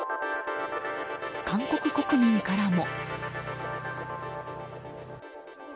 韓国国民からも。